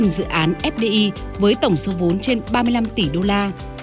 bốn dự án fdi với tổng số vốn trên ba mươi năm tỷ đô la